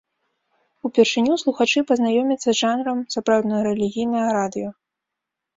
Упершыню слухачы пазнаёміцца з жанрам сапраўднага рэлігійнага радыё.